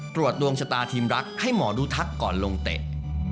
ขอบคุณค่ะขอบคุณด้วยนะครับ